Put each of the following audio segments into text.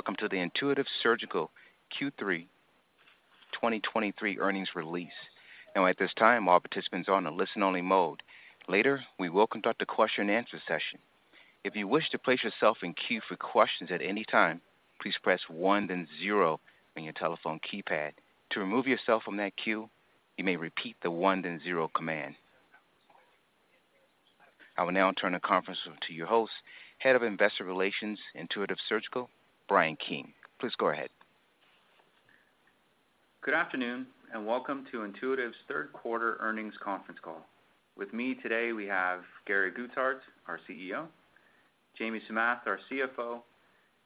Welcome to the Intuitive Surgical Q3 2023 earnings release. Now, at this time, all participants are on a listen-only mode. Later, we will conduct a question-and-answer session. If you wish to place yourself in queue for questions at any time, please press 1, then 0 on your telephone keypad. To remove yourself from that queue, you may repeat the 1, then 0 command. I will now turn the conference over to your host, Head of Investor Relations, Intuitive Surgical, Brian King. Please go ahead. Good afternoon, and welcome to Intuitive's third quarter earnings conference call. With me today, we have Gary Guthart, our CEO, Jamie Samath, our CFO,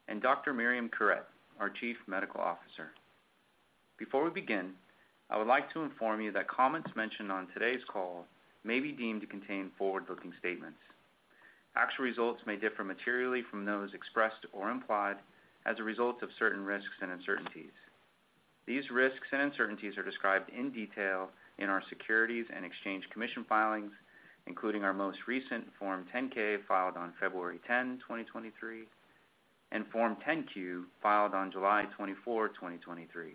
and Dr. Myriam Curet, our Chief Medical Officer. Before we begin, I would like to inform you that comments mentioned on today's call may be deemed to contain forward-looking statements. Actual results may differ materially from those expressed or implied as a result of certain risks and uncertainties. These risks and uncertainties are described in detail in our Securities and Exchange Commission filings, including our most recent Form 10-K, filed on February 10, 2023, and Form 10-Q, filed on July 24, 2023.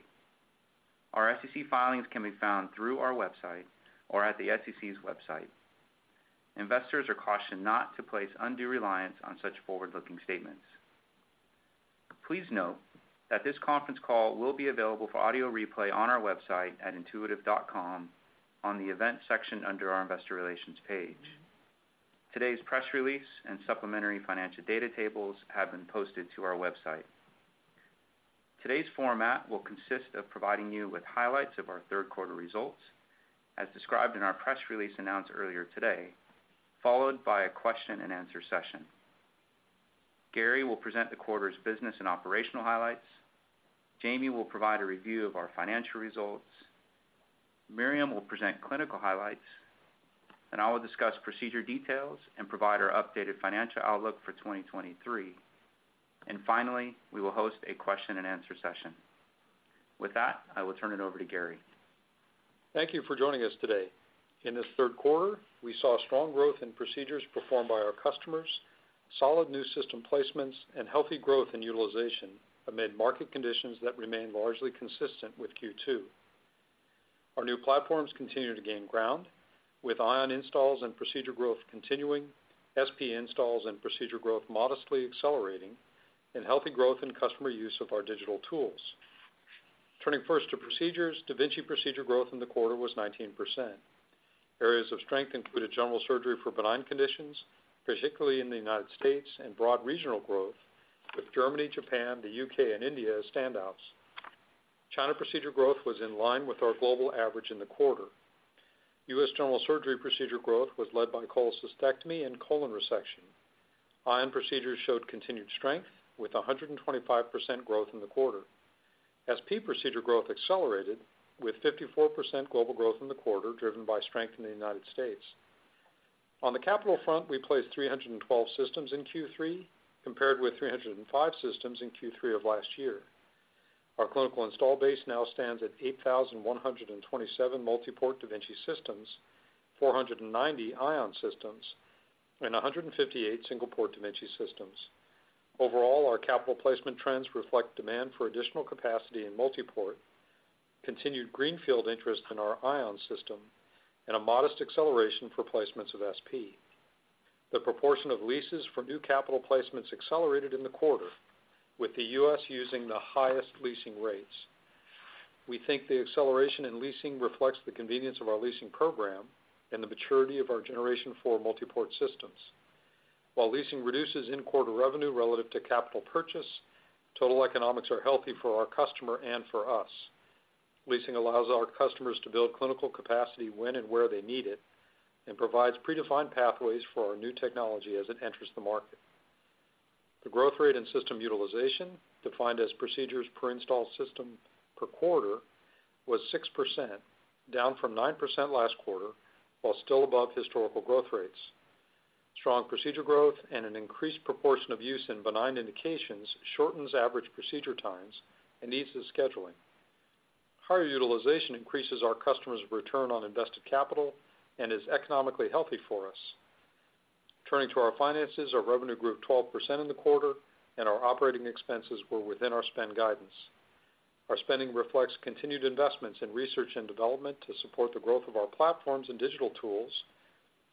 Our SEC filings can be found through our website or at the SEC's website. Investors are cautioned not to place undue reliance on such forward-looking statements. Please note that this conference call will be available for audio replay on our website at intuitive.com on the Events section under our Investor Relations page. Today's press release and supplementary financial data tables have been posted to our website. Today's format will consist of providing you with highlights of our third quarter results, as described in our press release announced earlier today, followed by a question-and-answer session. Gary will present the quarter's business and operational highlights. Jamie will provide a review of our financial results. Myriam will present clinical highlights, and I will discuss procedure details and provide our updated financial outlook for 2023. Finally, we will host a question-and-answer session. With that, I will turn it over to Gary. Thank you for joining us today. In this third quarter, we saw strong growth in procedures performed by our customers, solid new system placements, and healthy growth in utilization amid market conditions that remain largely consistent with Q2. Our new platforms continue to gain ground, with Ion installs and procedure growth continuing, SP installs and procedure growth modestly accelerating, and healthy growth in customer use of our digital tools. Turning first to procedures, da Vinci procedure growth in the quarter was 19%. Areas of strength included general surgery for benign conditions, particularly in the United States, and broad regional growth, with Germany, Japan, the UK, and India as standouts. China procedure growth was in line with our global average in the quarter. US general surgery procedure growth was led by cholecystectomy and colon resection. Ion procedures showed continued strength with 125% growth in the quarter. SP procedure growth accelerated with 54% global growth in the quarter, driven by strength in the United States. On the capital front, we placed 312 systems in Q3, compared with 305 systems in Q3 of last year. Our clinical install base now stands at 8,127 multi-port da Vinci systems, 490 Ion systems, and 158 single-port da Vinci systems. Overall, our capital placement trends reflect demand for additional capacity in multi-port, continued greenfield interest in our Ion system, and a modest acceleration for placements of SP. The proportion of leases for new capital placements accelerated in the quarter, with the US using the highest leasing rates. We think the acceleration in leasing reflects the convenience of our leasing program and the maturity of our Generation 4 multi-port systems. While leasing reduces in-quarter revenue relative to capital purchase, total economics are healthy for our customer and for US Leasing allows our customers to build clinical capacity when and where they need it and provides predefined pathways for our new technology as it enters the market. The growth rate in system utilization, defined as procedures per installed system per quarter, was 6%, down from 9% last quarter, while still above historical growth rates. Strong procedure growth and an increased proportion of use in benign indications shortens average procedure times and eases scheduling. Higher utilization increases our customers' return on invested capital and is economically healthy for US Turning to our finances, our revenue grew 12% in the quarter, and our operating expenses were within our spend guidance. Our spending reflects continued investments in research and development to support the growth of our platforms and digital tools,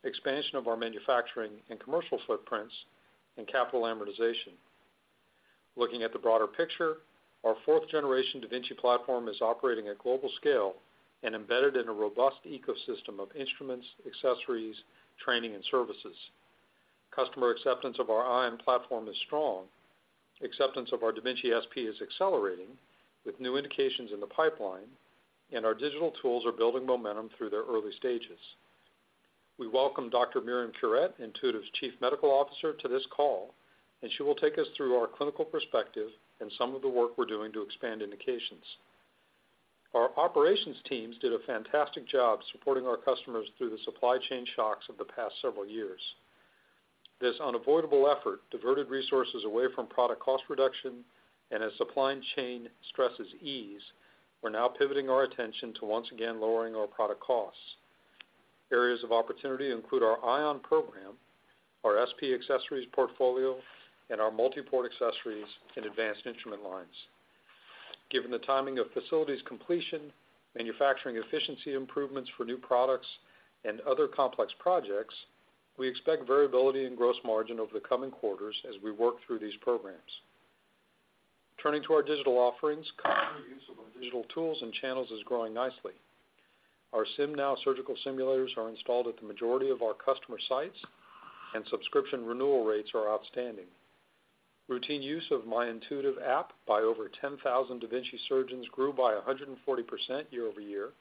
expansion of our manufacturing and commercial footprints, and capital amortization. Looking at the broader picture, our 4th-generation da Vinci platform is operating at global scale and embedded in a robust ecosystem of instruments, accessories, training, and services. Customer acceptance of our Ion platform is strong. Acceptance of our da Vinci SP is accelerating, with new indications in the pipeline, and our digital tools are building momentum through their early stages. We welcome Dr. Myriam Curet, Intuitive's Chief Medical Officer, to this call, and she will take us through our clinical perspective and some of the work we're doing to expand indications. Our operations teams did a fantastic job supporting our customers through the supply chain shocks of the past several years. This unavoidable effort diverted resources away from product cost reduction, and as supply chain stresses ease, we're now pivoting our attention to once again lowering our product costs. Areas of opportunity include our Ion program, our SP accessories portfolio, and our multi-port accessories and advanced instrument lines. Given the timing of facilities completion, manufacturing efficiency improvements for new products, and other complex projects, we expect variability in gross margin over the coming quarters as we work through these programs. Turning to our digital offerings, customer use of our digital tools and channels is growing nicely. Our SimNow surgical simulators are installed at the majority of our customer sites, and subscription renewal rates are outstanding. Routine use of myIntuitive app by over 10,000 da Vinci surgeons grew by 140% year-over-year,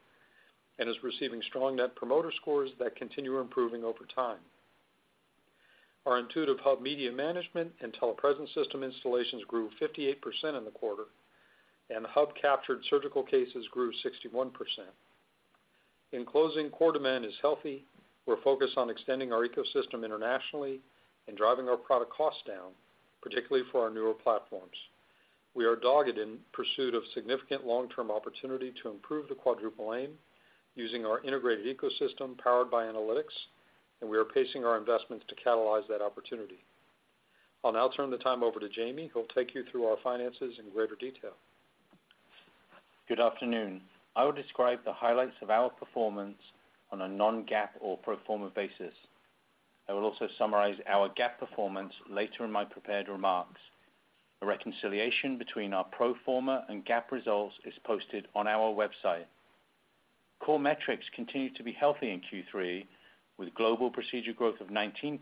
and is receiving strong Net Promoter Scores that continue improving over time. Our Intuitive Hub media management and telepresence system installations grew 58% in the quarter, and the Hub-captured surgical cases grew 61%. In closing, core demand is healthy. We're focused on extending our ecosystem internationally and driving our product costs down, particularly for our newer platforms. We are dogged in pursuit of significant long-term opportunity to improve the Quadruple Aim, using our integrated ecosystem powered by analytics, and we are pacing our investments to catalyze that opportunity. I'll now turn the time over to Jamie, who will take you through our finances in greater detail. Good afternoon. I will describe the highlights of our performance on a non-GAAP or pro forma basis. I will also summarize our GAAP performance later in my prepared remarks. A reconciliation between our pro forma and GAAP results is posted on our website. Core metrics continued to be healthy in Q3, with global procedure growth of 19%,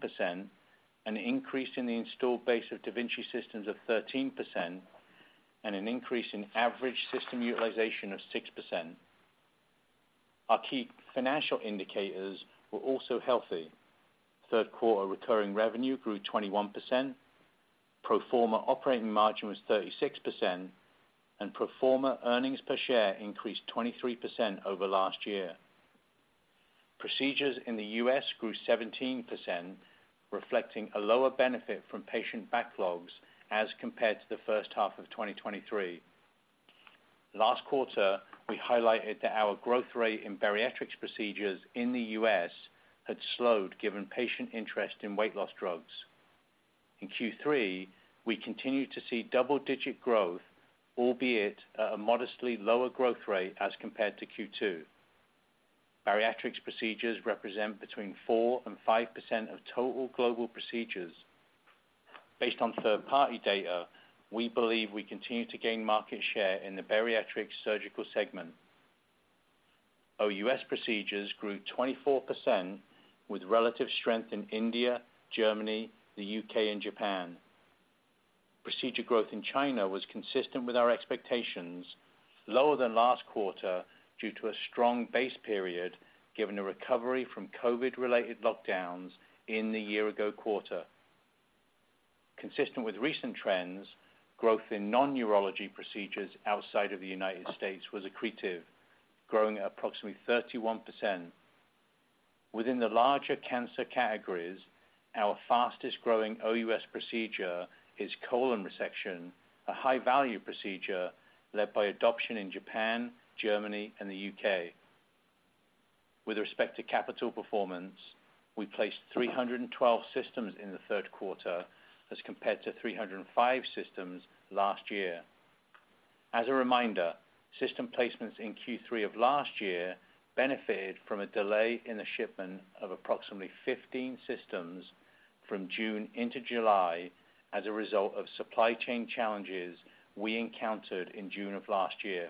an increase in the installed base of da Vinci systems of 13%, and an increase in average system utilization of 6%. Our key financial indicators were also healthy. Third quarter recurring revenue grew 21%, pro forma operating margin was 36%, and pro forma earnings per share increased 23% over last year. Procedures in the US grew 17%, reflecting a lower benefit from patient backlogs as compared to the first half of 2023. Last quarter, we highlighted that our growth rate in bariatrics procedures in the US had slowed, given patient interest in weight loss drugs. In Q3, we continued to see double-digit growth, albeit at a modestly lower growth rate as compared to Q2. Bariatrics procedures represent between 4% and 5% of total global procedures. Based on third-party data, we believe we continue to gain market share in the bariatric surgical segment. OUS procedures grew 24%, with relative strength in India, Germany, the UK, and Japan. Procedure growth in China was consistent with our expectations, lower than last quarter due to a strong base period, given a recovery from COVID-related lockdowns in the year-ago quarter. Consistent with recent trends, growth in non-urology procedures outside of the United States was accretive, growing at approximately 31%. Within the larger cancer categories, our fastest-growing OUS procedure is colon resection, a high-value procedure led by adoption in Japan, Germany, and the UK With respect to capital performance, we placed 312 systems in the third quarter, as compared to 305 systems last year. As a reminder, system placements in Q3 of last year benefited from a delay in the shipment of approximately 15 systems from June into July as a result of supply chain challenges we encountered in June of last year.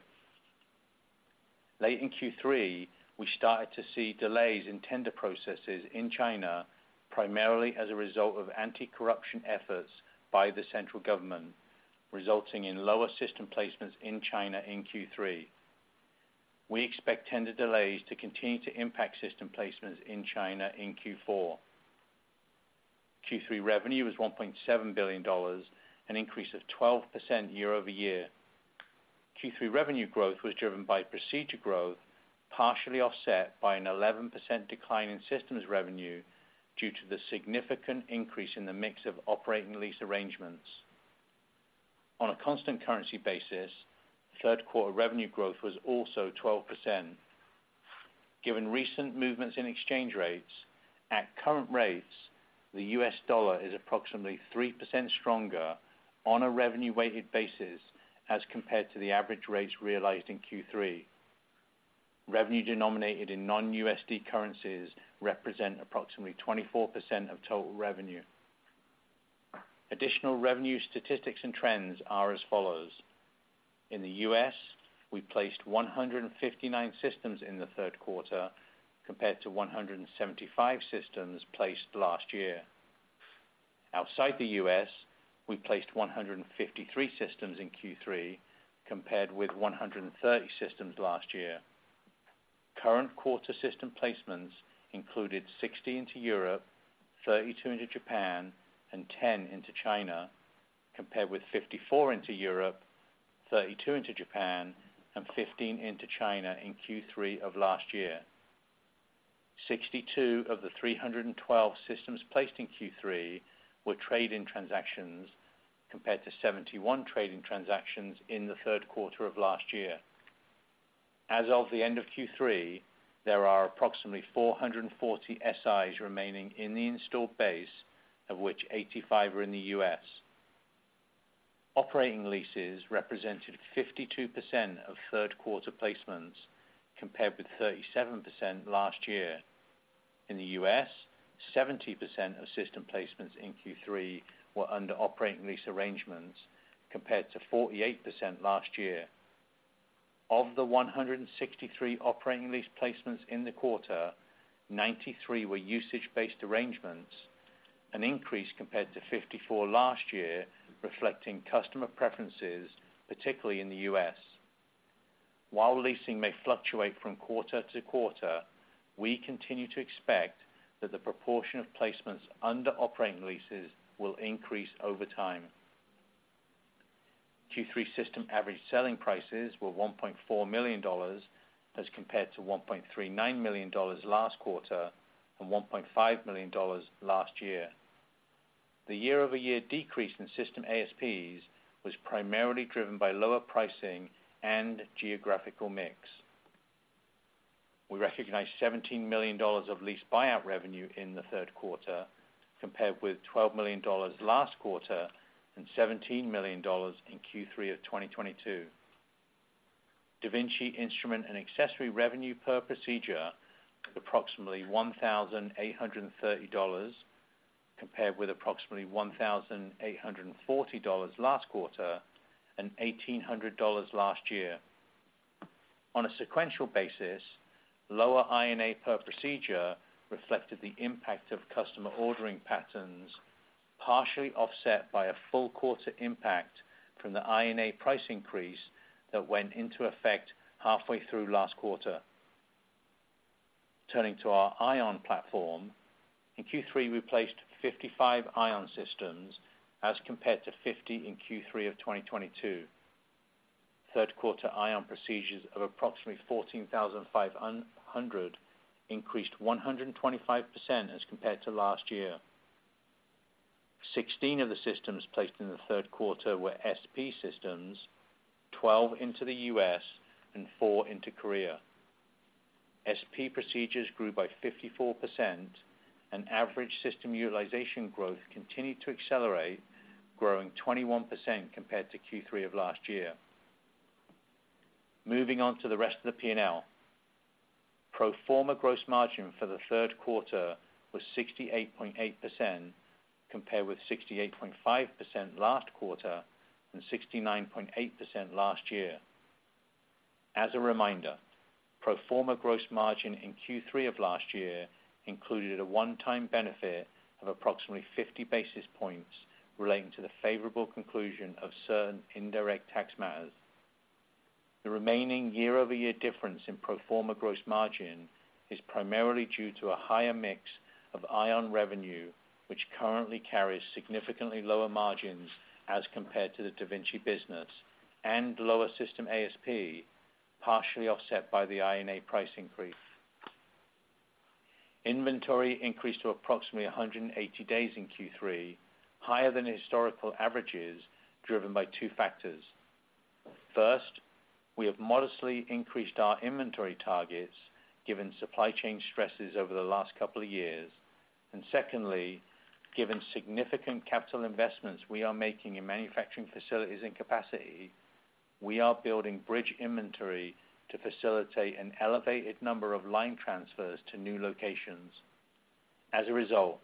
Late in Q3, we started to see delays in tender processes in China, primarily as a result of anti-corruption efforts by the central government, resulting in lower system placements in China in Q3. We expect tender delays to continue to impact system placements in China in Q4. Q3 revenue was $1.7 billion, an increase of 12% year-over-year. Q3 revenue growth was driven by procedure growth, partially offset by an 11% decline in systems revenue, due to the significant increase in the mix of operating lease arrangements. On a constant currency basis, third quarter revenue growth was also 12%. Given recent movements in exchange rates, at current rates, the US dollar is approximately 3% stronger on a revenue-weighted basis as compared to the average rates realized in Q3. Revenue denominated in non-USD currencies represent approximately 24% of total revenue. Additional revenue statistics and trends are as follows: In the US, we placed 159 systems in the third quarter, compared to 175 systems placed last year. Outside the US, we placed 153 systems in Q3, compared with 130 systems last year. Current quarter system placements included 60 into Europe, 32 into Japan, and 10 into China, compared with 54 into Europe, 32 into Japan, and 15 into China in Q3 of last year. 62 of the 312 systems placed in Q3 were trade-in transactions, compared to 71 trade-in transactions in the third quarter of last year. As of the end of Q3, there are approximately 440 Si systems remaining in the installed base, of which 85 are in the US Operating leases represented 52% of third quarter placements, compared with 37% last year. In the US, 70% of system placements in Q3 were under operating lease arrangements, compared to 48% last year. Of the 163 operating lease placements in the quarter, 93 were usage-based arrangements, an increase compared to 54 last year, reflecting customer preferences, particularly in the US While leasing may fluctuate from quarter-to-quarter, we continue to expect that the proportion of placements under operating leases will increase over time. Q3 system average selling prices were $1.4 million, as compared to $1.39 million last quarter, and $1.5 million last year. The year-over-year decrease in system ASPs was primarily driven by lower pricing and geographical mix. We recognized $17 million of lease buyout revenue in the third quarter, compared with $12 million last quarter, and $17 million in Q3 of 2022. da Vinci instrument and accessory revenue per procedure, approximately $1,830, compared with approximately $1,840 last quarter, and $1,800 last year. On a sequential basis, lower I&A per procedure reflected the impact of customer ordering patterns, partially offset by a full quarter impact from the I&A price increase that went into effect halfway through last quarter. Turning to our Ion platform. In Q3, we placed 55 Ion systems, as compared to 50 in Q3 of 2022. Third quarter Ion procedures of approximately 14,500, increased 125% as compared to last year. 16 of the systems placed in the third quarter were SP systems, 12 into the US, and four into Korea. SP procedures grew by 54%, and average system utilization growth continued to accelerate, growing 21% compared to Q3 of last year. Moving on to the rest of the P&L. Pro forma gross margin for the third quarter was 68.8%, compared with 68.5% last quarter, and 69.8% last year. As a reminder, pro forma gross margin in Q3 of last year included a one-time benefit of approximately 50 basis points, relating to the favorable conclusion of certain indirect tax matters. The remaining year-over-year difference in pro forma gross margin is primarily due to a higher mix of Ion revenue, which currently carries significantly lower margins as compared to the da Vinci business, and lower system ASP, partially offset by the I&A price increase. Inventory increased to approximately 180 days in Q3, higher than historical averages, driven by two factors. First, we have modestly increased our inventory targets, given supply chain stresses over the last couple of years. Secondly, given significant capital investments we are making in manufacturing facilities and capacity, we are building bridge inventory to facilitate an elevated number of line transfers to new locations. As a result,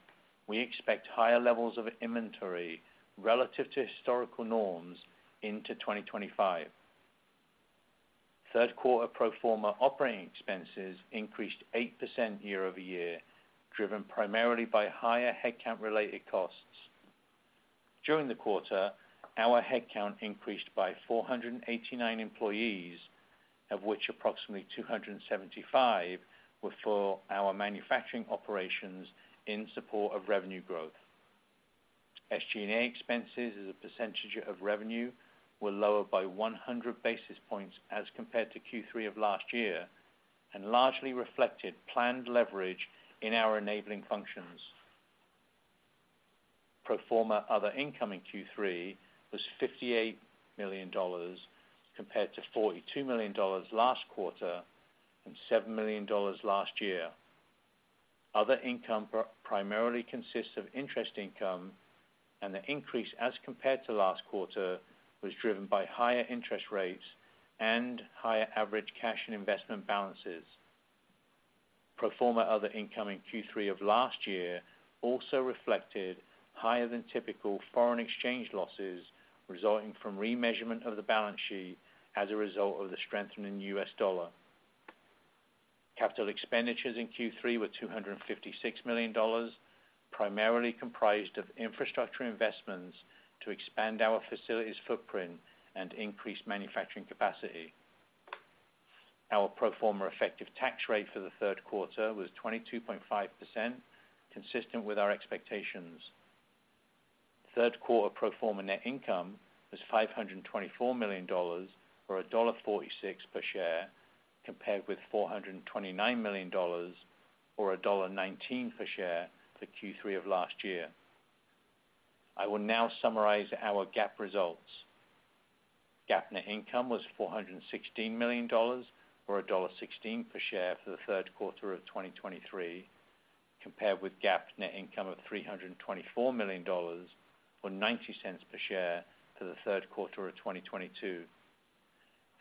we expect higher levels of inventory relative to historical norms into 2025. Third quarter pro forma operating expenses increased 8% year-over-year, driven primarily by higher headcount-related costs. During the quarter, our headcount increased by 489 employees, of which approximately 275 were for our manufacturing operations in support of revenue growth. SG&A expenses as a percentage of revenue were lower by 100 basis points as compared to Q3 of last year, and largely reflected planned leverage in our enabling functions. Pro forma other income in Q3 was $58 million, compared to $42 million last quarter, and $7 million last year. Other income primarily consists of interest income, and the increase, as compared to last quarter, was driven by higher interest rates and higher average cash and investment balances. Pro forma other income in Q3 of last year also reflected higher than typical foreign exchange losses, resulting from remeasurement of the balance sheet as a result of the strengthening US dollar. Capital expenditures in Q3 were $256 million, primarily comprised of infrastructure investments to expand our facilities footprint and increase manufacturing capacity. Our pro forma effective tax rate for the third quarter was 22.5%, consistent with our expectations. Third quarter pro forma net income was $524 million or $1.46 per share, compared with $429 million or $1.19 per share for Q3 of last year. I will now summarize our GAAP results. GAAP net income was $416 million or $1.16 per share for the third quarter of 2023, compared with GAAP net income of $324 million or $0.90 per share for the third quarter of 2022.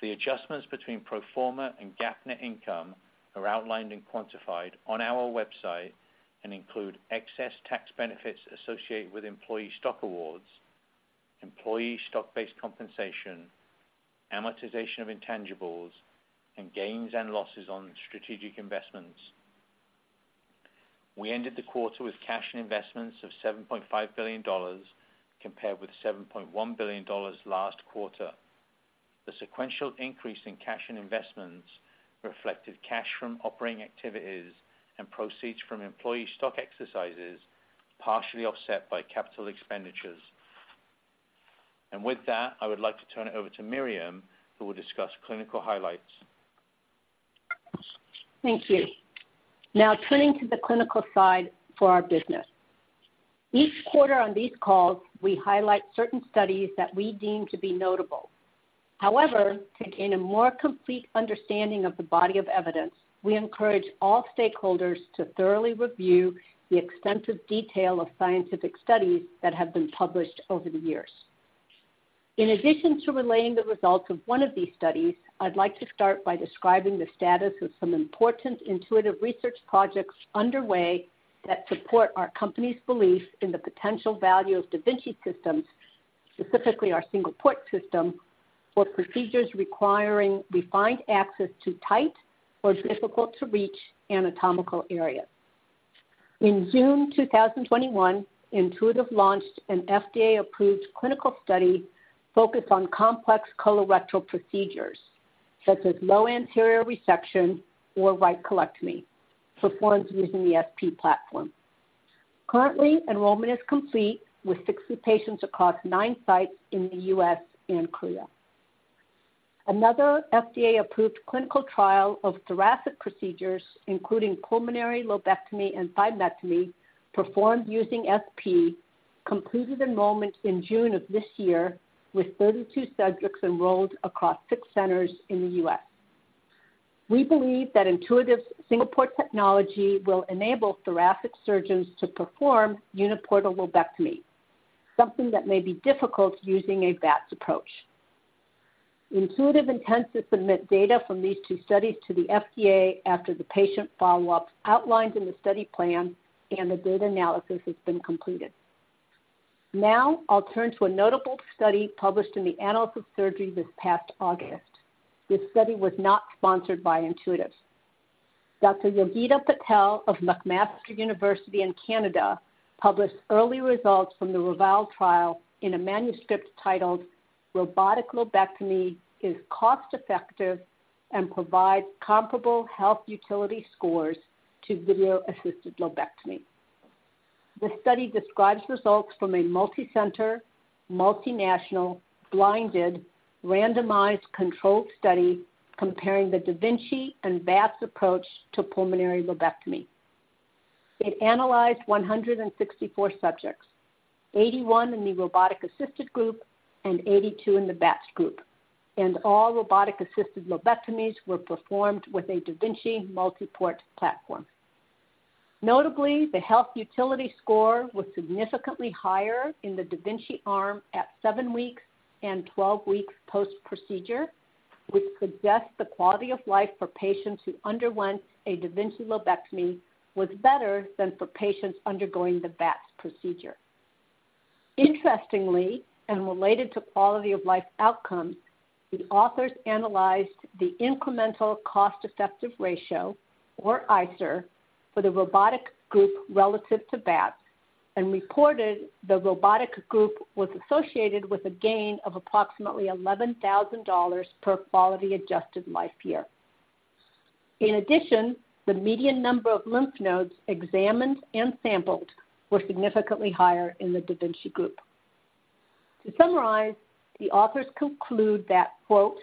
The adjustments between pro forma and GAAP net income are outlined and quantified on our website and include excess tax benefits associated with employee stock awards, employee stock-based compensation, amortization of intangibles, and gains and losses on strategic investments. We ended the quarter with cash and investments of $7.5 billion, compared with $7.1 billion last quarter. The sequential increase in cash and investments reflected cash from operating activities and proceeds from employee stock exercises, partially offset by capital expenditures. With that, I would like to turn it over to Myriam, who will discuss clinical highlights. Thank you. Now turning to the clinical side for our business. Each quarter on these calls, we highlight certain studies that we deem to be notable. However, to gain a more complete understanding of the body of evidence, we encourage all stakeholders to thoroughly review the extensive detail of scientific studies that have been published over the years. In addition to relaying the results of one of these studies, I'd like to start by describing the status of some important Intuitive research projects underway that support our company's belief in the potential value of da Vinci systems, specifically our single port system, for procedures requiring refined access to tight or difficult-to-reach anatomical areas. In June 2021, Intuitive launched an FDA-approved clinical study focused on complex colorectal procedures, such as low anterior resection or right colectomy, performed using the SP platform. Currently, enrollment is complete, with 60 patients across nine sites in the US and Korea. Another FDA-approved clinical trial of thoracic procedures, including pulmonary lobectomy and thymectomy, performed using SP, completed enrollment in June of this year, with 32 subjects enrolled across six centers in the US We believe that Intuitive's single port technology will enable thoracic surgeons to perform uniportal lobectomy, something that may be difficult using a VATS approach. Intuitive intends to submit data from these two studies to the FDA after the patient follow-ups outlined in the study plan and the data analysis has been completed. Now, I'll turn to a notable study published in the Annals of Surgery this past August. This study was not sponsored by Intuitive. Dr. Yogita Patel of McMaster University in Canada published early results from the RAVAL trial in a manuscript titled Robotic Lobectomy is Cost Effective and Provides Comparable Health Utility Scores to Video-Assisted Lobectomy. The study describes results from a multicenter, multinational, blinded, randomized controlled study comparing the da Vinci and VATS approach to pulmonary lobectomy. It analyzed 164 subjects, 81 in the robotic-assisted group and 82 in the VATS group, and all robotic-assisted lobectomies were performed with a da Vinci multiport platform. Notably, the health utility score was significantly higher in the da Vinci arm at seven weeks and 12 weeks post-procedure, which suggests the quality of life for patients who underwent a da Vinci lobectomy was better than for patients undergoing the VATS procedure. Interestingly, and related to quality of life outcomes, the authors analyzed the incremental cost-effective ratio, or ICER, for the robotic group relative to VATS and reported the robotic group was associated with a gain of approximately $11,000 per quality-adjusted life year. In addition, the median number of lymph nodes examined and sampled were significantly higher in the da Vinci group. To summarize, the authors conclude that, quote,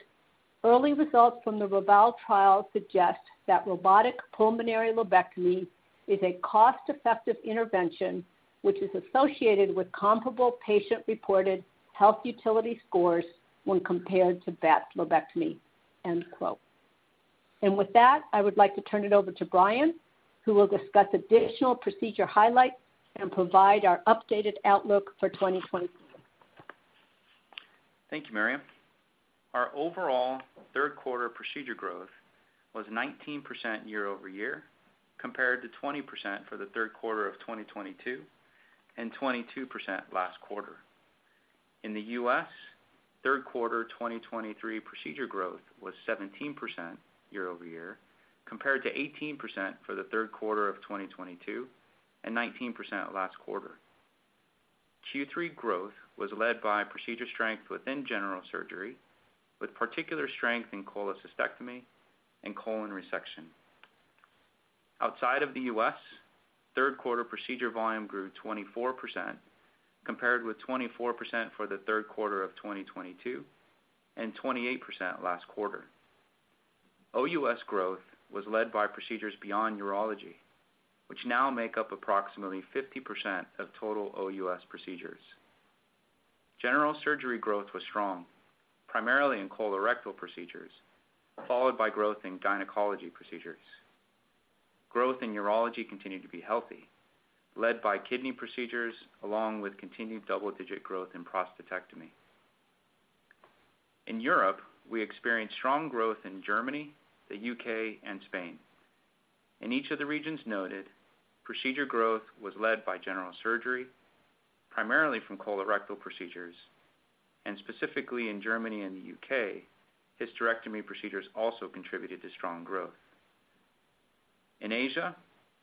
"Early results from the RAVAL trial suggest that robotic pulmonary lobectomy is a cost-effective intervention, which is associated with comparable patient-reported health utility scores when compared to VATS lobectomy," end quote. With that, I would like to turn it over to Brian, who will discuss additional procedure highlights and provide our updated outlook for 2020. Thank you, Myriam. Our overall third quarter procedure growth was 19% year-over-year, compared to 20% for the third quarter of 2022, and 22% last quarter. In the US, third quarter 2023 procedure growth was 17% year-over-year, compared to 18% for the third quarter of 2022, and 19% last quarter. Q3 growth was led by procedure strength within general surgery, with particular strength in cholecystectomy and colon resection. Outside of the US, third quarter procedure volume grew 24%, compared with 24% for the third quarter of 2022, and 28% last quarter. OUS growth was led by procedures beyond urology, which now make up approximately 50% of total OUS procedures. General surgery growth was strong, primarily in colorectal procedures, followed by growth in gynecology procedures. Growth in urology continued to be healthy, led by kidney procedures, along with continued double-digit growth in prostatectomy. In Europe, we experienced strong growth in Germany, the UK, and Spain. In each of the regions noted, procedure growth was led by general surgery, primarily from colorectal procedures, and specifically in Germany and the UK, hysterectomy procedures also contributed to strong growth. In Asia,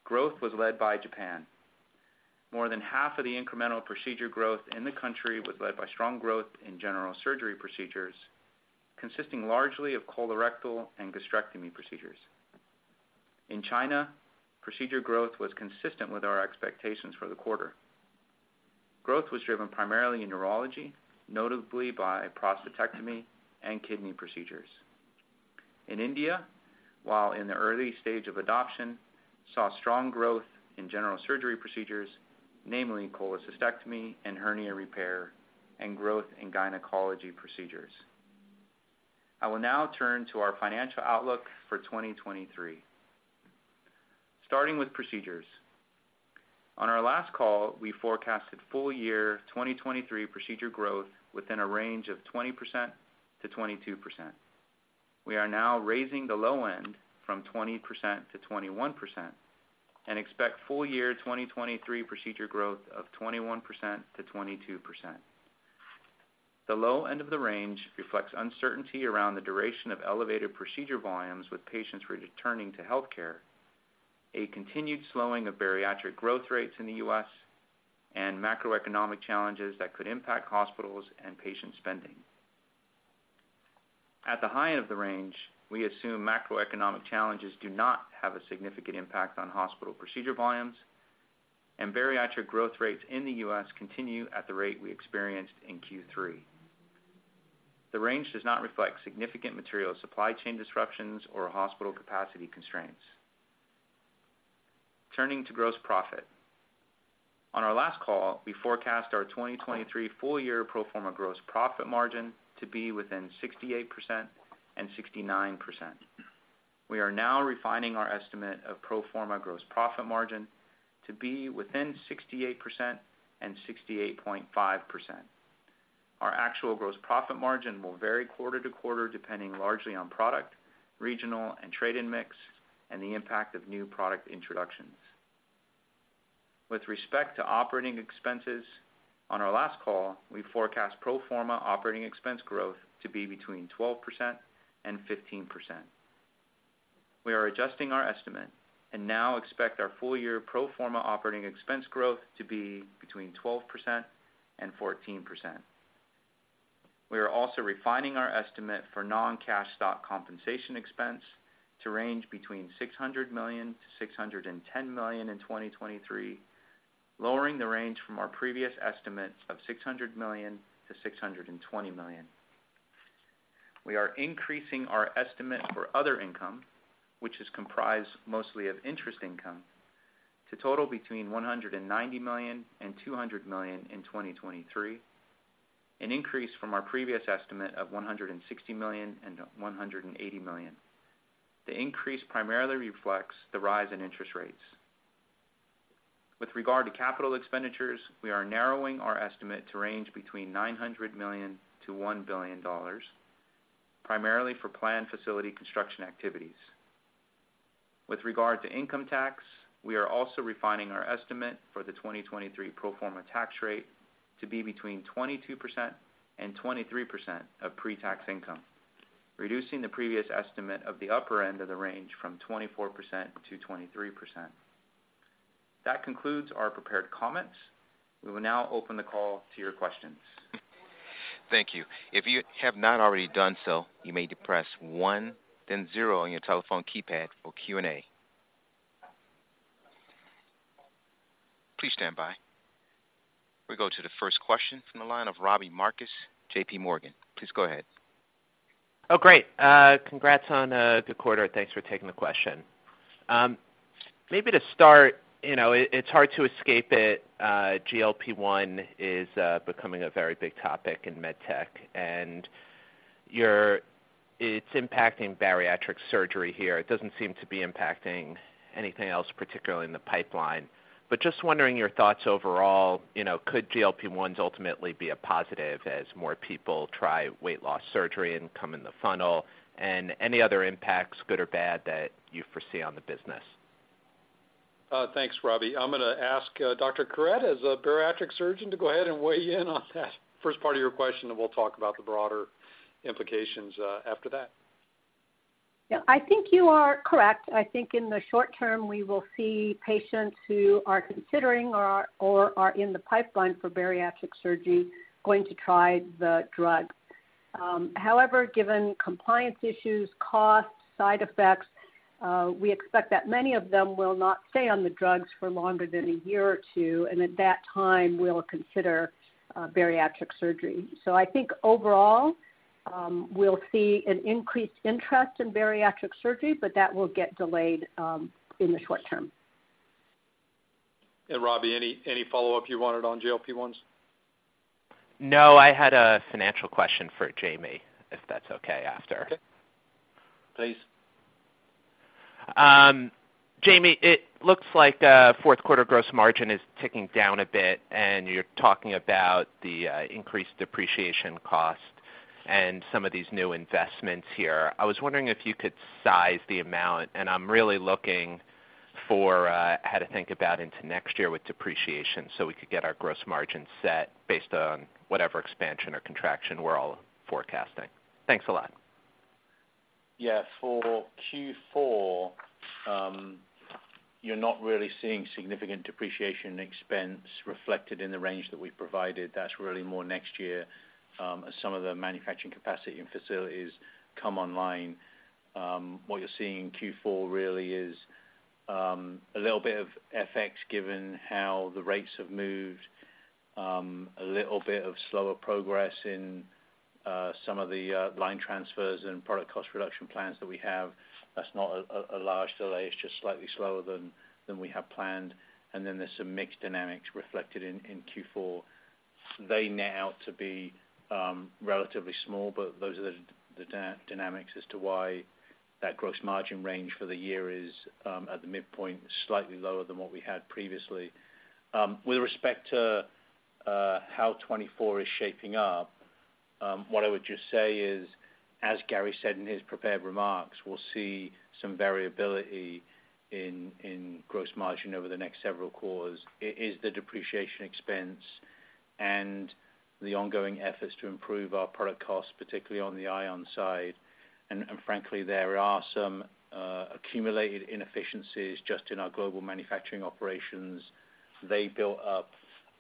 growth was led by Japan. More than half of the incremental procedure growth in the country was led by strong growth in general surgery procedures, consisting largely of colorectal and gastrectomy procedures. In China, procedure growth was consistent with our expectations for the quarter. Growth was driven primarily in urology, notably by prostatectomy and kidney procedures. In India, while in the early stage of adoption, saw strong growth in general surgery procedures, namely cholecystectomy and hernia repair, and growth in gynecology procedures. I will now turn to our financial outlook for 2023. Starting with procedures. On our last call, we forecasted full year 2023 procedure growth within a range of 20%-22%. We are now raising the low end from 20% to 21% and expect full year 2023 procedure growth of 21%-22%. The low end of the range reflects uncertainty around the duration of elevated procedure volumes, with patients returning to healthcare, a continued slowing of bariatric growth rates in the US, and macroeconomic challenges that could impact hospitals and patient spending. At the high end of the range, we assume macroeconomic challenges do not have a significant impact on hospital procedure volumes, and bariatric growth rates in the US continue at the rate we experienced in Q3. The range does not reflect significant material supply chain disruptions or hospital capacity constraints. Turning to gross profit. On our last call, we forecast our 2023 full year Pro Forma gross profit margin to be within 68% and 69%. We are now refining our estimate of Pro Forma gross profit margin to be within 68% and 68.5%. Our actual gross profit margin will vary quarter-to-quarter, depending largely on product, regional, and trade-in mix, and the impact of new product introductions. With respect to operating expenses, on our last call, we forecast Pro Forma operating expense growth to be between 12% and 15%. We are adjusting our estimate and now expect our full year Pro Forma operating expense growth to be between 12% and 14%. We are also refining our estimate for non-cash stock compensation expense to range between $600 million-$610 million in 2023, lowering the range from our previous estimate of $600 million-$620 million. We are increasing our estimate for other income, which is comprised mostly of interest income, to total between $190 million and $200 million in 2023, an increase from our previous estimate of $160 million and $180 million. The increase primarily reflects the rise in interest rates. With regard to capital expenditures, we are narrowing our estimate to range between $900 million-$1 billion, primarily for planned facility construction activities. With regard to income tax, we are also refining our estimate for the 2023 Pro Forma tax rate to be between 22% and 23% of pre-tax income, reducing the previous estimate of the upper end of the range from 24% to 23%. That concludes our prepared comments. We will now open the call to your questions. Thank you. If you have not already done so, you may press 1, then 0 on your telephone keypad for Q&A. Please stand by. We go to the first question from the line of Robbie Marcus, JPMorgan. Please go ahead. Oh, great. Congrats on a good quarter. Thanks for taking the question. Maybe to start, you know, it's hard to escape it. GLP-1 is becoming a very big topic in medtech, and it's impacting bariatric surgery here. It doesn't seem to be impacting anything else, particularly in the pipeline. Just wondering your thoughts overall, you know, could GLP-1s ultimately be a positive as more people try weight loss surgery and come in the funnel? Any other impacts, good or bad, that you foresee on the business? Thanks, Robbie. I'm going to ask Dr. Curet, as a bariatric surgeon, to go ahead and weigh in on that first part of your question, and we'll talk about the broader implications after that. Yeah, I think you are correct. I think in the short term, we will see patients who are considering or are in the pipeline for bariatric surgery going to try the drug. However, given compliance issues, costs, side effects, we expect that many of them will not stay on the drugs for longer than a year or two, and at that time, we'll consider bariatric surgery. I think overall, we'll see an increased interest in bariatric surgery, but that will get delayed in the short term. Robbie, any follow-up you wanted on GLP-1s? No, I had a financial question for Jamie, if that's okay, after. Okay. Please. Jamie, it looks like fourth quarter gross margin is ticking down a bit, and you're talking about the increased depreciation cost and some of these new investments here. I was wondering if you could size the amount, and I'm really looking for how to think about into next year with depreciation, so we could get our gross margin set based on whatever expansion or contraction we're all forecasting. Thanks a lot. Yeah, for Q4, you're not really seeing significant depreciation expense reflected in the range that we provided. That's really more next year as some of the manufacturing capacity and facilities come online. What you're seeing in Q4 really is a little bit of FX, given how the rates have moved, a little bit of slower progress in some of the line transfers and product cost reduction plans that we have. That's not a large delay. It's just slightly slower than we had planned. There's some mixed dynamics reflected in Q4. They net out to be relatively small, but those are the dynamics as to why that gross margin range for the year is at the midpoint, slightly lower than what we had previously. With respect to how 2024 is shaping up, what I would just say is, as Gary said in his prepared remarks, we'll see some variability in gross margin over the next several quarters. It is the depreciation expense and the ongoing efforts to improve our product costs, particularly on the Ion side. Frankly, there are some accumulated inefficiencies just in our global manufacturing operations. They built up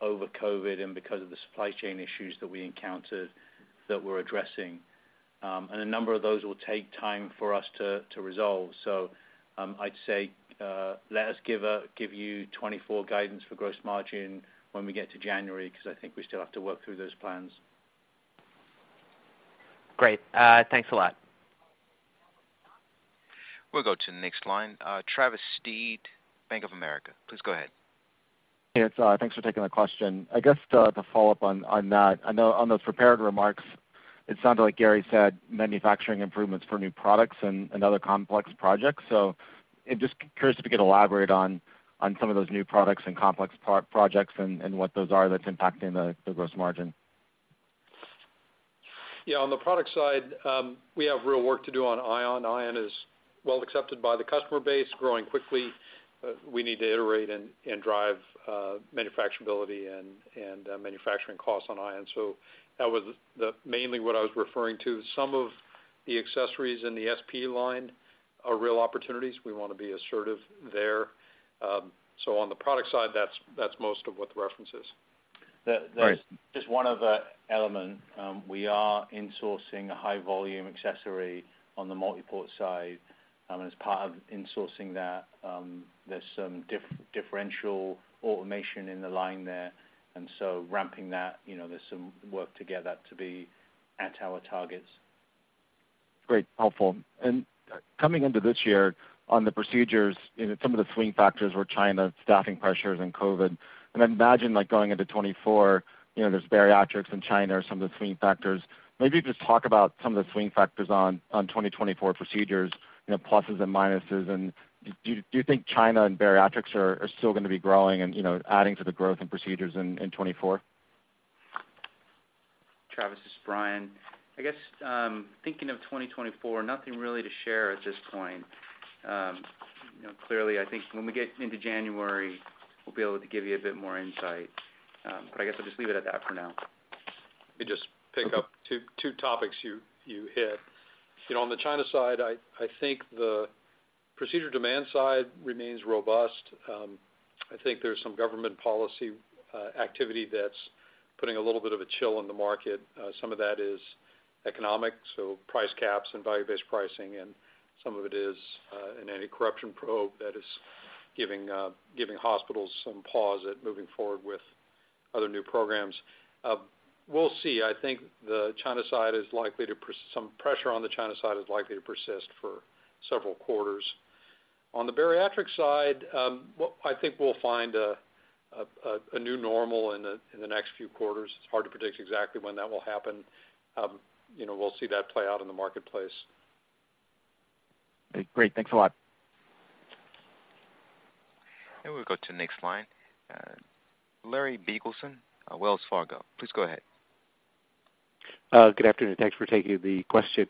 over COVID and because of the supply chain issues that we encountered that we're addressing. A number of those will take time for us to resolve. I'd say let us give you 2024 guidance for gross margin when we get to January, because I think we still have to work through those plans. Great. Thanks a lot. We'll go to the next line. Travis Steed, Bank of America, please go ahead. Yes, thanks for taking the question. I guess to follow up on that, I know on those prepared remarks, it sounded like Gary said manufacturing improvements for new products and other complex projects. Just curious if you could elaborate on some of those new products and complex projects and what those are that's impacting the gross margin. Yeah, on the product side, we have real work to do on Ion. Ion is well accepted by the customer base, growing quickly. We need to iterate and drive manufacturability and manufacturing costs on Ion. That was mainly what I was referring to. Some of the accessories in the SP line are real opportunities. We want to be assertive there. On the product side, that's most of what the reference is. Right. There's just one other element. We are insourcing a high-volume accessory on the multi-port side. As part of insourcing that, there's some differential automation in the line there, and so ramping that, you know, there's some work together to be at our targets. Great, helpful. Coming into this year on the procedures, you know, some of the swing factors were China, staffing pressures, and COVID. I imagine, like, going into 2024, you know, there's bariatrics in China are some of the swing factors. Maybe just talk about some of the swing factors on 2024 procedures, you know, pluses and minuses. Do you think China and bariatrics are still going to be growing and, you know, adding to the growth in procedures in 2024? Travis, this is Brian. I guess thinking of 2024, nothing really to share at this point. You know, clearly, I think when we get into January, we'll be able to give you a bit more insight. I guess I'll just leave it at that for now. Let me just pick up two topics you hit. You know, on the China side, I think the procedure demand side remains robust. I think there's some government policy activity that's putting a little bit of a chill on the market. Some of that is economic, so price caps and value-based pricing, and some of it is an anti-corruption probe that is giving hospitals some pause at moving forward with other new programs. We'll see. I think some pressure on the China side is likely to persist for several quarters. On the bariatric side, I think we'll find a new normal in the next few quarters. It's hard to predict exactly when that will happen. You know, we'll see that play out in the marketplace. Great, thanks alot. We'll go to the next line. Larry Biegelsen, Wells Fargo, please go ahead. Good afternoon. Thanks for taking the question.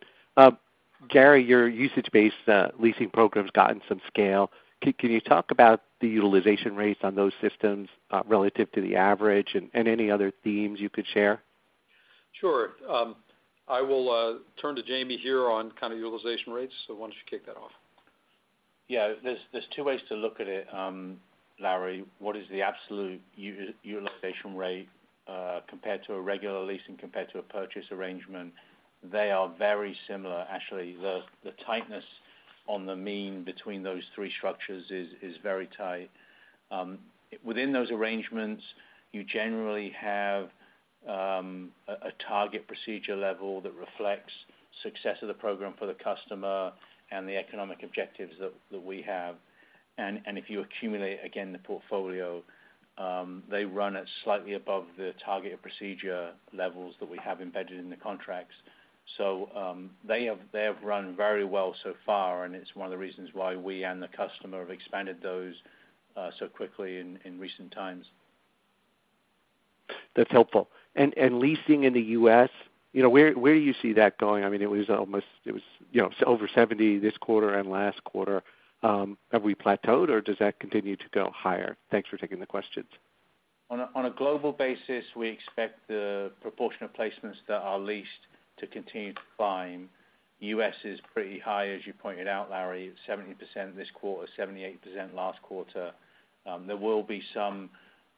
Gary, your usage-based leasing program's gotten some scale. Can you talk about the utilization rates on those systems relative to the average and any other themes you could share? Sure. I will turn to Jamie here on kind of utilization rates. Why don't you kick that off? Yeah, there's two ways to look at it, Larry. What is the absolute utilization rate compared to a regular leasing, compared to a purchase arrangement? They are very similar. Actually, the tightness on the mean between those three structures is very tight. Within those arrangements, you generally have a target procedure level that reflects success of the program for the customer and the economic objectives that we have. If you accumulate, again, the portfolio, they run at slightly above the targeted procedure levels that we have embedded in the contracts. They have run very well so far, and it's one of the reasons why we and the customer have expanded those so quickly in recent times. That's helpful. Leasing in the US, you know, where do you see that going? I mean, it was, you know, over 70 this quarter and last quarter. Have we plateaued, or does that continue to go higher? Thanks for taking the questions. On a global basis, we expect the proportion of placements that are leased to continue to climb. US is pretty high, as you pointed out, Larry, 70% this quarter, 78% last quarter. There will be some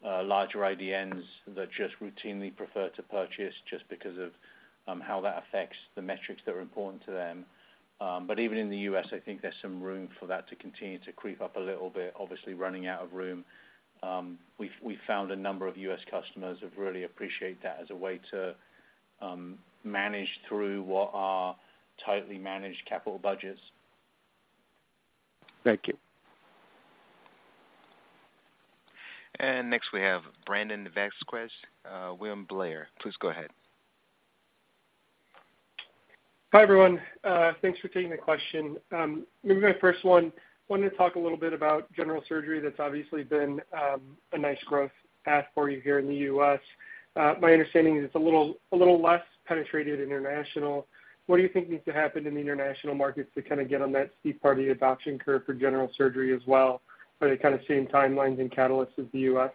larger IDNs that just routinely prefer to purchase just because of how that affects the metrics that are important to them. Even in the US, I think there's some room for that to continue to creep up a little bit, obviously running out of room. We've found a number of US customers who really appreciate that as a way to manage through what are tightly managed capital budgets. Thank you. Next, we have Brandon Vazquez, William Blair. Please go ahead. Hi, everyone. Thanks for taking the question. Maybe my first one, wanted to talk a little bit about general surgery. That's obviously been a nice growth path for you here in the US. My understanding is it's a little less penetrated international. What do you think needs to happen in the international markets to kind of get on that steep part of the adoption curve for general surgery as well? Are they kind of same timelines and catalysts as the US?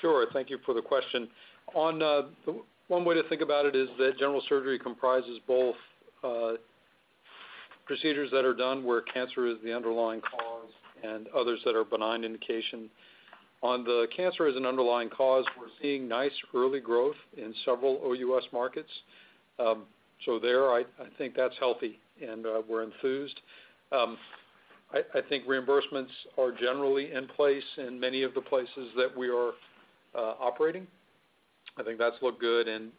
Sure. Thank you for the question. One way to think about it is that general surgery comprises both procedures that are done where cancer is the underlying cause and others that are benign indication. On the cancer as an underlying cause, we're seeing nice early growth in several OUS markets. There, I think that's healthy, and we're enthused. I think reimbursements are generally in place in many of the places that we are operating. I think that's looked good, and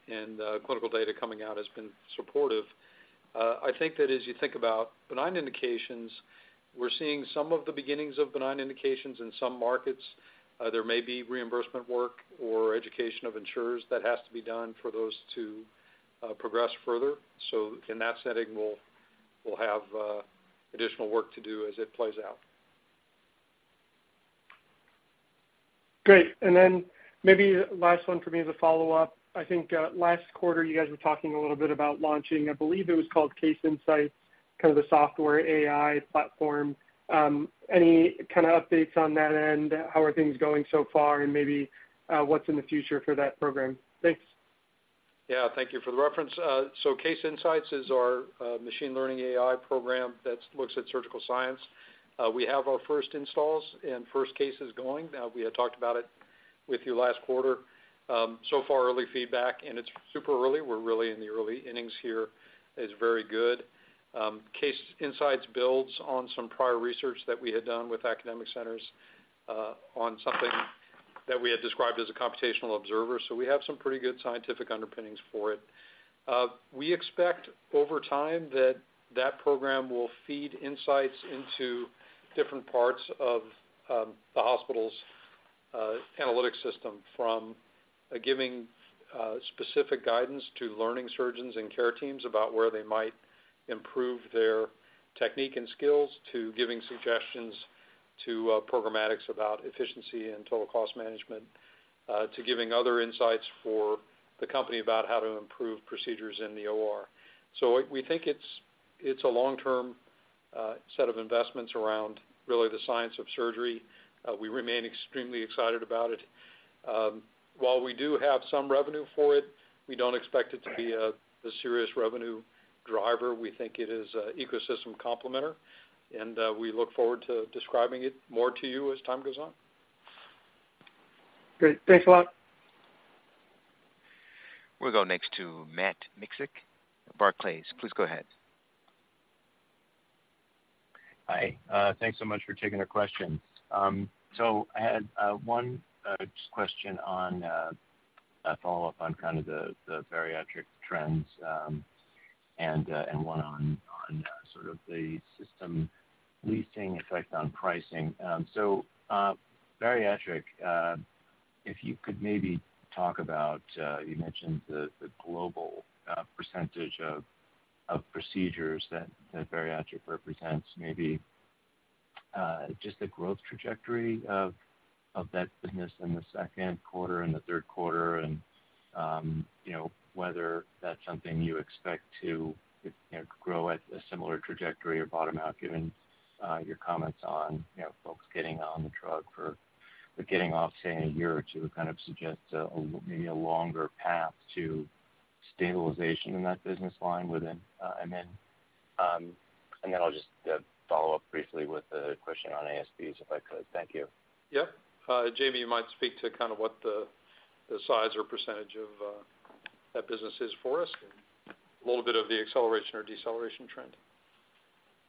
clinical data coming out has been supportive. I think that as you think about benign indications, we're seeing some of the beginnings of benign indications in some markets. There may be reimbursement work or education of insurers that has to be done for those to progress further. In that setting, we'll have additional work to do as it plays out. Great. Maybe last one for me as a follow-up. I think last quarter you guys were talking a little bit about launching, I believe it was called Case Insights, kind of a software A.I. platform. Any kind of updates on that end? How are things going so far? Maybe what's in the future for that program? Thanks. Yeah, thank you for the reference. Case Insights is our machine learning A.I. program that looks at surgical science. We have our first installs and first cases going. We had talked about it with you last quarter. So far, early feedback, and it's super early, we're really in the early innings here, is very good. Case Insights builds on some prior research that we had done with academic centers on something that we had described as a computational observer. We have some pretty good scientific underpinnings for it. We expect over time that that program will feed insights into different parts of the hospital's analytics system, from giving specific guidance to learning surgeons and care teams about where they might improve their technique and skills, to giving suggestions to programmatics about efficiency and total cost management, to giving other insights for the company about how to improve procedures in the O.R. We think it's a long-term set of investments around really the science of surgery. We remain extremely excited about it. While we do have some revenue for it, we don't expect it to be a serious revenue driver. We think it is ecosystem complementor, and we look forward to describing it more to you as time goes on. Thanks alot. We'll go next to Matt Miksik, Barclays. Please go ahead. Hi. Thanks so much for taking the question. I had one just question on a follow-up on kind of the bariatric trends and one on sort of the system leasing effect on pricing. Bariatric, if you could maybe talk about, you mentioned the global % of procedures that bariatric represents, maybe just the growth trajectory of that business in the second quarter and the third quarter, and, you know, whether that's something you expect to, you know, grow at a similar trajectory or bottom out, given your comments on, you know, folks getting on the drug for, but getting off, say, in a year or two, kind of suggests maybe a longer path to stabilization in that business line within, I mean, and then I'll just follow up briefly with a question on ASPs, if I could. Thank you. Yeah. Jamie, you might speak to kind of what the size or % of that business is for us, and a little bit of the acceleration or deceleration trend.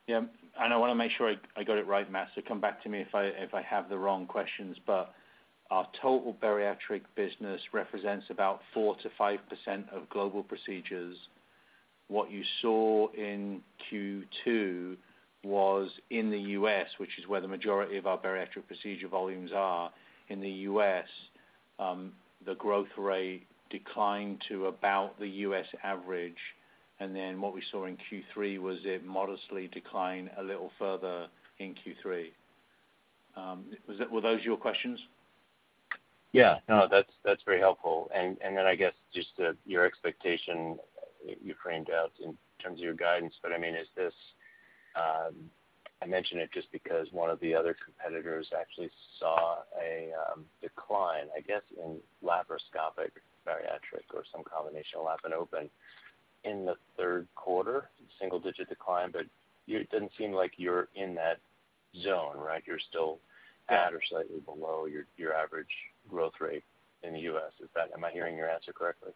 Yeah, and I wanna make sure I got it right, Matt, so come back to me if I have the wrong questions, but our total bariatric business represents about 4%-5% of global procedures. What you saw in Q2 was in the US, which is where the majority of our bariatric procedure volumes are. In the US, the growth rate declined to about the US average, and then what we saw in Q3 was it modestly declined a little further in Q3. Were those your questions? Yeah. No, that's very helpful. I guess just your expectation you framed out in terms of your guidance, but I mean, is this... I mention it just because one of the other competitors actually saw a decline, I guess, in laparoscopic bariatric or some combination of lap and open in the third quarter, single-digit decline, but it didn't seem like you're in that zone, right? You're still at or slightly below your average growth rate in the US Am I hearing your answer correctly?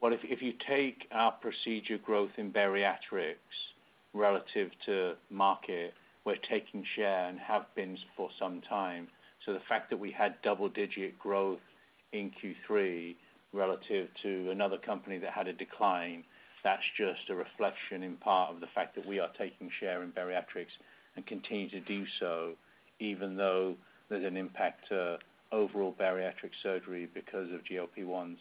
Well, if you take our procedure growth in bariatrics relative to market, we're taking share and have been for some time. The fact that we had double-digit growth in Q3 relative to another company that had a decline, that's just a reflection in part of the fact that we are taking share in bariatrics and continue to do so, even though there's an impact to overall bariatric surgery because of GLP-1s.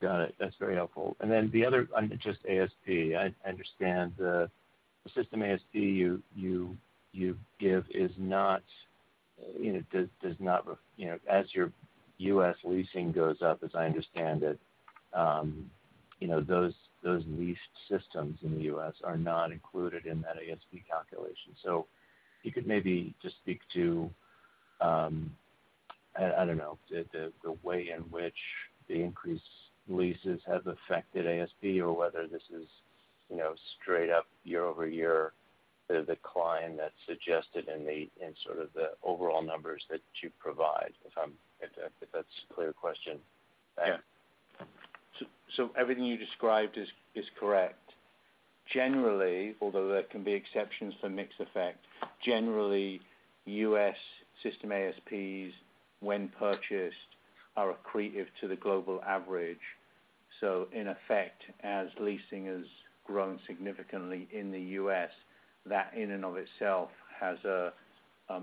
Got it. That's very helpful. The other, on just ASP, I understand the system ASP you give is not, you know, does not, you know, as your US leasing goes up, as I understand it, you know, those leased systems in the US are not included in that ASP calculation. If you could maybe just speak to, I don't know, the way in which the increased leases have affected ASP or whether this is, you know, straight up year-over-year, the decline that's suggested in sort of the overall numbers that you provide, if that's a clear question? Yeah. Everything you described is correct. Generally, although there can be exceptions for mixed effect, generally, US system ASPs, when purchased, are accretive to the global average. In effect, as leasing has grown significantly in the US, that in and of itself has an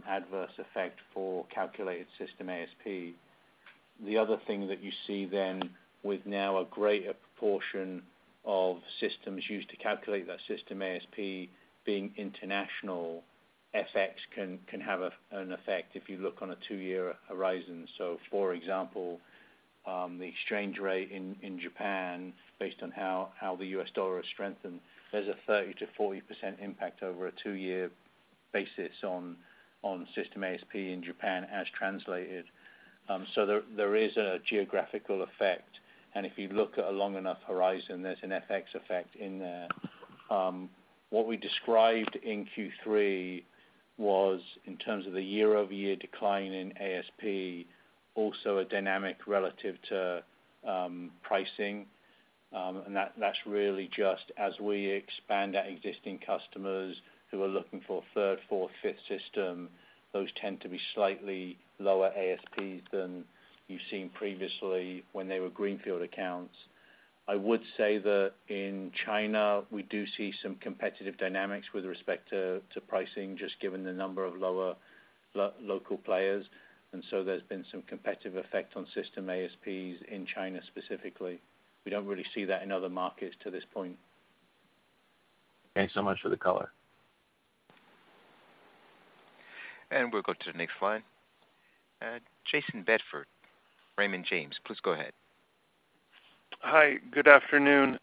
adverse effect for calculated system ASP. The other thing that you see then, with now a greater proportion of systems used to calculate that system ASP being international, F.X. can have an effect if you look on a two-year horizon. For example, the exchange rate in Japan, based on how the US dollar has strengthened, there's a 30%-40% impact over a two-year basis on system ASP in Japan as translated. There is a geographical effect, and if you look at a long enough horizon, there's an F.X. effect in there. What we described in Q3 was in terms of the year-over-year decline in ASP, also a dynamic relative to pricing. That's really just as we expand our existing customers who are looking for a third, fourth, fifth system, those tend to be slightly lower ASPs than you've seen previously when they were greenfield accounts. I would say that in China, we do see some competitive dynamics with respect to pricing, just given the number of lower local players, and so there's been some competitive effect on system ASPs in China, specifically. We don't really see that in other markets to this point. Thanks so much for the color. We'll go to the next slide. Jason Bedford, Raymond James, please go ahead. Hi, good afternoon.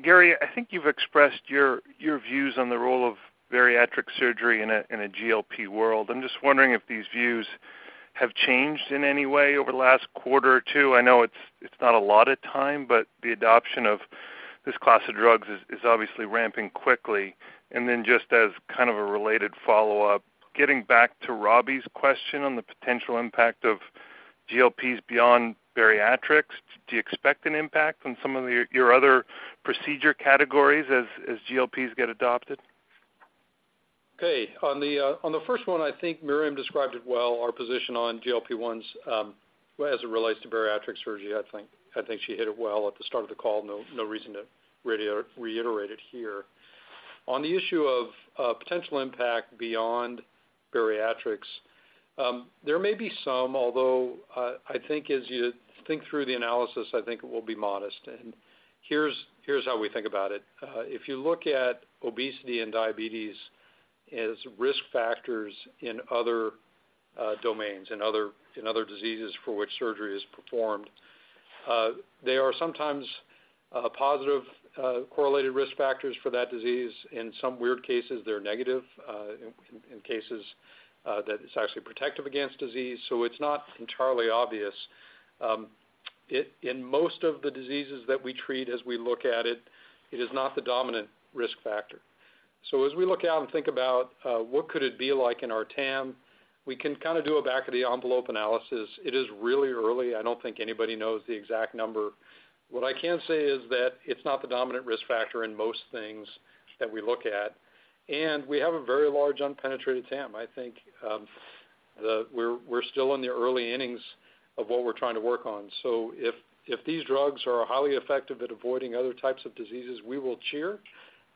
Gary, I think you've expressed your views on the role of bariatric surgery in a GLP world. I'm just wondering if these views have changed in any way over the last quarter or two. I know it's not a lot of time, but the adoption of this class of drugs is obviously ramping quickly. Just as kind of a related follow-up, getting back to Robbie's question on the potential impact of GLPs beyond bariatrics, do you expect an impact on some of your other procedure categories as GLPs get adopted? Okay. On the first one, I think Myriam described it well, our position on GLP-1s as it relates to bariatric surgery. I think she hit it well at the start of the call. No reason to reiterate it here. On the issue of potential impact beyond bariatrics, there may be some, although I think as you think through the analysis, I think it will be modest. Here's how we think about it. If you look at obesity and diabetes as risk factors in other domains, in other diseases for which surgery is performed, they are sometimes positive correlated risk factors for that disease. In some weird cases, they're negative in cases that it's actually protective against disease, so it's not entirely obvioUS In most of the diseases that we treat as we look at it, it is not the dominant risk factor. As we look out and think about what could it be like in our TAM, we can kind of do a back-of-the-envelope analysis. It is really early. I don't think anybody knows the exact number. What I can say is that it's not the dominant risk factor in most things that we look at, and we have a very large unpenetrated TAM. I think we're still in the early innings of what we're trying to work on. If these drugs are highly effective at avoiding other types of diseases, we will cheer.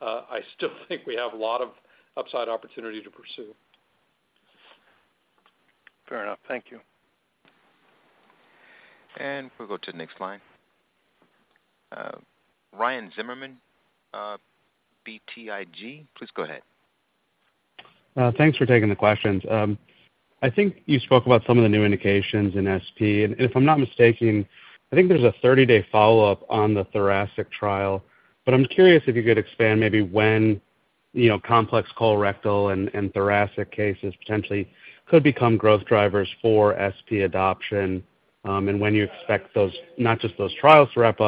I still think we have a lot of upside opportunity to pursue. Fair enough. Thank you. We'll go to the next line. Ryan Zimmerman, BTIG, please go ahead. Thanks for taking the questions. I think you spoke about some of the new indications in SP, and if I'm not mistaken, I think there's a 30-day follow-up on the thoracic trial. I'm curious if you could expand, maybe when, you know, complex colorectal and thoracic cases potentially could become growth drivers for SP adoption, and when you expect those, not just those trials to wrap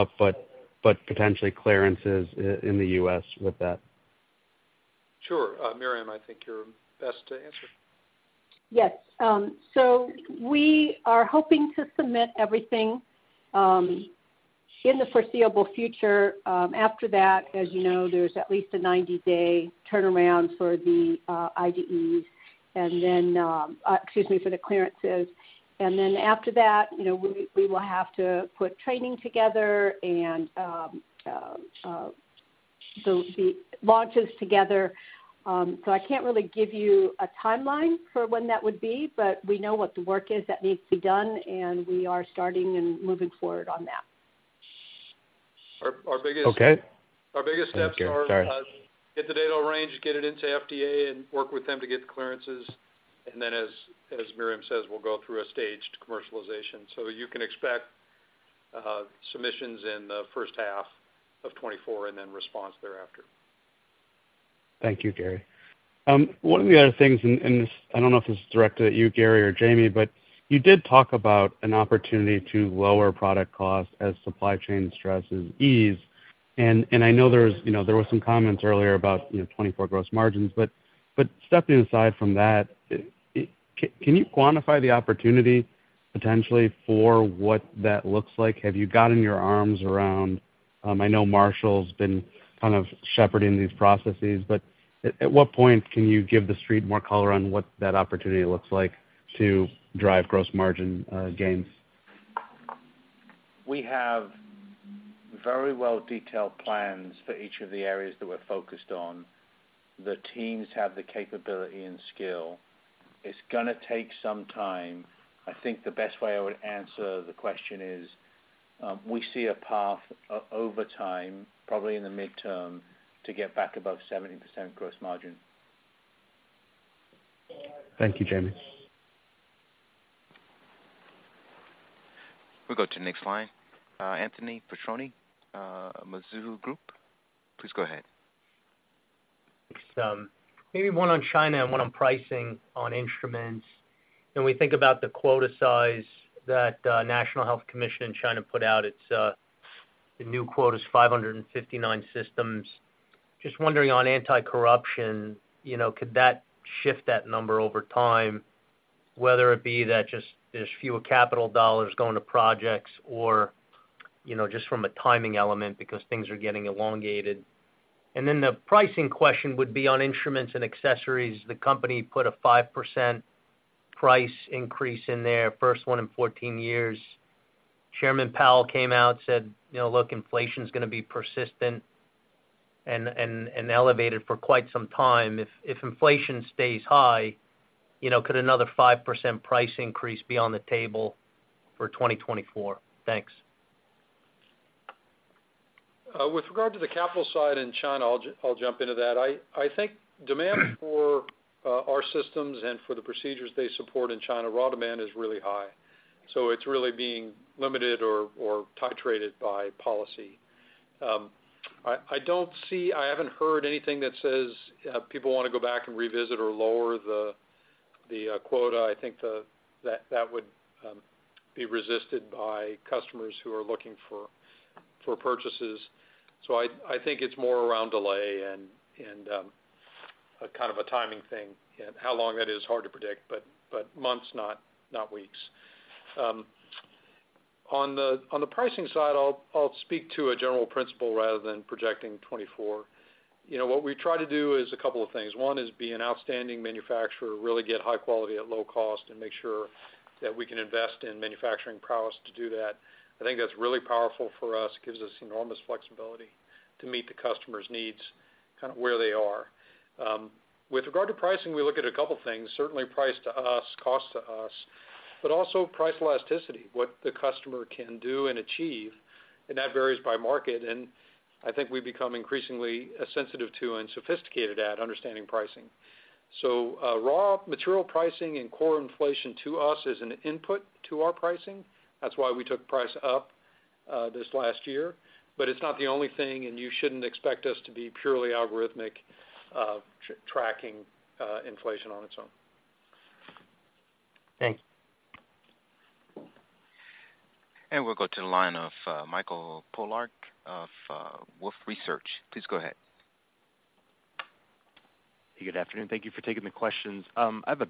up, but potentially clearances in the US with that? Sure. Myriam, I think you're best to answer. Yes. We are hoping to submit everything in the foreseeable future. After that, as you know, there's at least a 90-day turnaround for the IDEs, and then, excuse me, for the clearances. After that, you know, we will have to put training together and the launches together. I can't really give you a timeline for when that would be, but we know what the work is that needs to be done, and we are starting and moving forward on that. Okay. Our biggest. Thank you. Sorry. Our biggest steps are get the data range, get it into FDA, and work with them to get the clearances. Then, as Myriam says, we'll go through a staged commercialization. You can expect submissions in the first half of 2024, and then response thereafter. Thank you, Gary. One of the other things, and this, I don't know if this is directed at you, Gary or Jamie, but you did talk about an opportunity to lower product costs as supply chain stresses ease. I know there's, you know, there was some comments earlier about, you know, 2024 gross margins, but stepping aside from that, can you quantify the opportunity potentially for what that looks like? Have you gotten your arms around, I know Marshall's been kind of shepherding these processes, but at what point can you give the Street more color on what that opportunity looks like to drive gross margin gains? We have very well-detailed plans for each of the areas that we're focused on. The teams have the capability and skill. It's gonna take some time. I think the best way I would answer the question is we see a path over time, probably in the midterm, to get back above 70% gross margin. Thank you, Jamie. We'll go to the next line. Anthony Petrone, Mizuho Group, please go ahead. Maybe one on China and one on pricing on instruments. When we think about the quota size that National Health Commission in China put out, it's the new quota is 559 systems. Just wondering on anti-corruption, you know, could that shift that number over time, whether it be that just there's fewer capital dollars going to projects or, you know, just from a timing element because things are getting elongated? The pricing question would be on instruments and accessories. The company put a 5% price increase in there, first one in 14 years. Chairman Powell came out and said, "You know, look, inflation's gonna be persistent and elevated for quite some time." If inflation stays high, you know, could another 5% price increase be on the table for 2024? Thanks. With regard to the capital side in China, I'll jump into that. I think demand for our systems and for the procedures they support in China, raw demand is really high, so it's really being limited or titrated by policy. I haven't heard anything that says people want to go back and revisit or lower the quota. I think that would be resisted by customers who are looking for purchases. I think it's more around delay and a kind of a timing thing, and how long that is, hard to predict, but months, not weeks. On the pricing side, I'll speak to a general principle rather than projecting 2024. You know, what we try to do is a couple of things. One is be an outstanding manufacturer, really get high quality at low cost, and make sure that we can invest in manufacturing prowess to do that. I think that's really powerful for US It gives us enormous flexibility to meet the customer's needs kind of where they are. With regard to pricing, we look at a couple things, certainly price to us, cost to us, but also price elasticity, what the customer can do and achieve, and that varies by market. I think we've become increasingly sensitive to and sophisticated at understanding pricing. Raw material pricing and core inflation to us is an input to our pricing. That's why we took price up this last year. It's not the only thing, and you shouldn't expect us to be purely algorithmic tracking inflation on its own. Thanks. We'll go to the line of Michael Polark of Wolfe Research. Please go ahead. Good afternoon. Thank you for taking the questions. I have a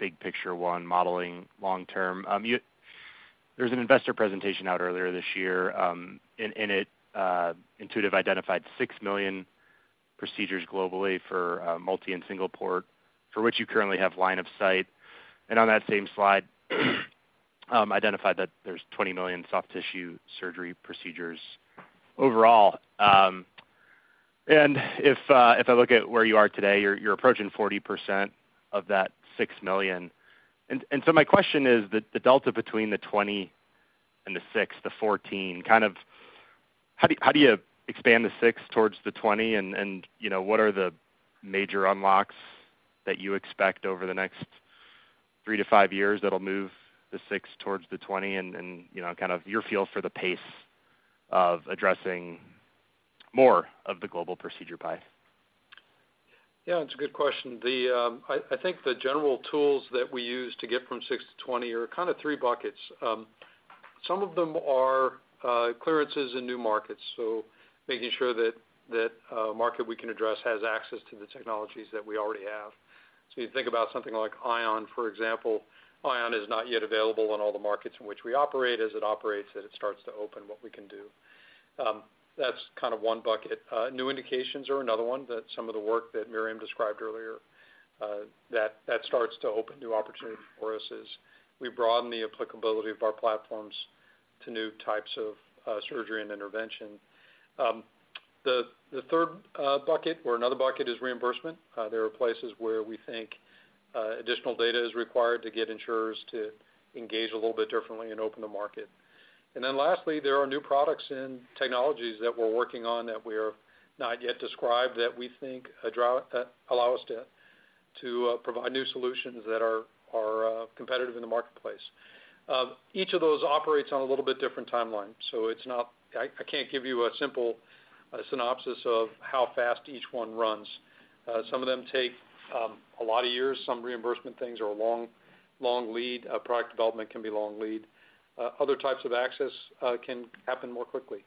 big picture one modeling long term. There's an investor presentation out earlier this year. In it, Intuitive identified 6 million procedures globally for multi and single port, for which you currently have line of sight. On that same slide, identified that there's 20 million soft tissue surgery procedures overall. If I look at where you are today, you're approaching 40% of that 6 million. My question is the delta between the 20 and the 6, the 14, kind of, how do you expand the 6 towards the 20? You know, what are the major unlocks that you expect over the next 3-5 years that'll move the 6 towards the 20? You know, kind of your feel for the pace of addressing more of the global procedure pie? Yeah, it's a good question. I think the general tools that we use to get from 6-20 are kinda three buckets. Some of them are clearances in new markets, so making sure that market we can address has access to the technologies that we already have. You think about something like Ion, for example. Ion is not yet available in all the markets in which we operate. As it operates, it starts to open what we can do. That's kind of one bucket. New indications are another one. Some of the work that Myriam described earlier starts to open new opportunities for us as we broaden the applicability of our platforms to new types of surgery and intervention. The third bucket or another bucket is reimbursement. There are places where we think additional data is required to get insurers to engage a little bit differently and open the market. Lastly, there are new products and technologies that we're working on that we have not yet described, that we think allow us to provide new solutions that are competitive in the marketplace. Each of those operates on a little bit different timeline, so I can't give you a simple synopsis of how fast each one runs. Some of them take a lot of years. Some reimbursement things are a long, long lead. Product development can be long lead. Other types of access can happen more quickly.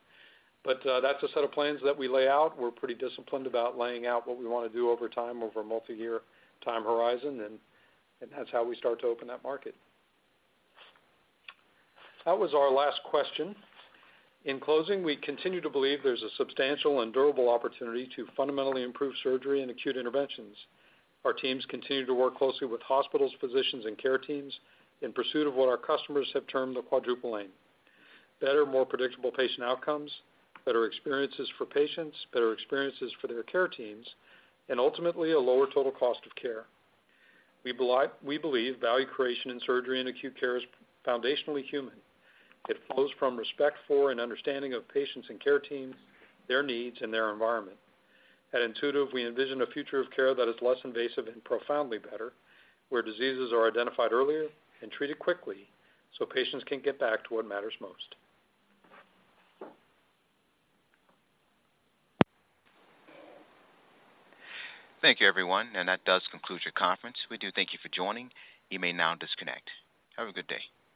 That's a set of plans that we lay out. We're pretty disciplined about laying out what we wanna do over time, over a multi-year time horizon, and that's how we start to open that market. That was our last question. In closing, we continue to believe there's a substantial and durable opportunity to fundamentally improve surgery and acute interventions. Our teams continue to work closely with hospitals, physicians, and care teams in pursuit of what our customers have termed the Quadruple Aim. Better, more predictable patient outcomes, better experiences for patients, better experiences for their care teams, and ultimately, a lower total cost of care. We believe value creation in surgery and acute care is foundationally human. It flows from respect for and understanding of patients and care teams, their needs, and their environment. At Intuitive, we envision a future of care that is less invasive and profoundly better, where diseases are identified earlier and treated quickly, so patients can get back to what matters most. Thank you, everyone, and that does conclude your conference. We do thank you for joining. You may now disconnect. Have a good day.